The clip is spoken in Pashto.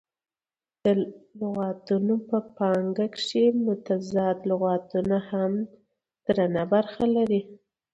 د لغتونه په پانګه کښي متضاد لغتونه هم درنه برخه لري.